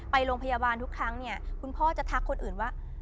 ไปโรงพยาบาลทุกครั้งเนี่ยคุณพ่อจะทักคนอื่นว่า